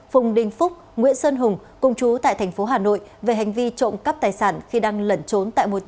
phùng đinh phúc nguyễn sơn hùng cùng chú tại thành phố hà nội về hành vi trộm cắp tài sản khi đang lẩn trốn tại một nhà